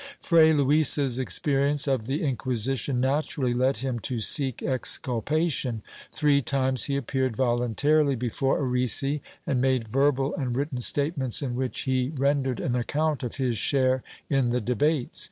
^ Fray Luis's experience of the Inquisition naturally led him to seek exculpation. Three times he appeared voluntarily before Arrese and made verbal and written statements, in which he ren dered an account of his share in the debates.